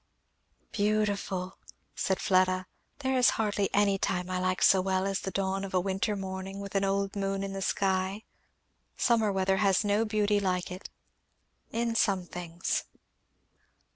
"Beautiful!" said Fleda. "There is hardly any time I like so well as the dawn of a winter morning with an old moon in the sky. Summer weather has no beauty like it in some things."